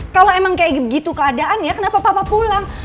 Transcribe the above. kalau emang kayak gitu keadaannya kenapa papa pulang